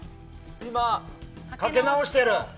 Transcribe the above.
今かけ直してる？